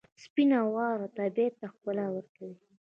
سپینه واوره طبیعت ته ښکلا ورکوي.